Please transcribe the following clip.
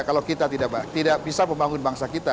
kalau kita tidak bisa membangun bangsa kita